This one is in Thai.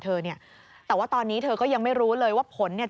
เธอเนี่ยแต่ว่าตอนนี้เธอก็ยังไม่รู้เลยว่าผลเนี่ย